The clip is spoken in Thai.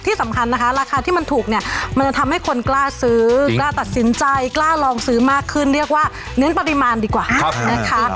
ที่สำคัญนะคะราคาที่มันถูกเนี่ยมันจะทำให้คนกล้าซื้อกล้าตัดสินใจกล้าลองซื้อมากขึ้นเรียกว่าเน้นปริมาณดีกว่านะคะ